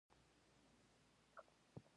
سوېلي افریقا د نابرابرو هېوادونو په کتار کې و.